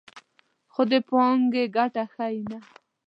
خو د پانګې ګټه ښیي نه